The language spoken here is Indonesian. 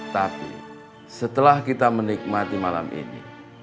tapi setelah kita menikmati malam ini